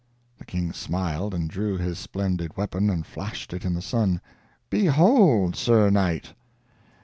The King smiled, and drew his splendid weapon, and flashed it in the sun. "Behold! Sir Knight!"